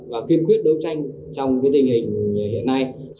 và kiên quyết đấu tranh trong tình hình hiện nay